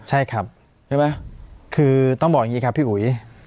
ใช่ค่ะคือต้องบอกอย่างนี้ครับพี่หุย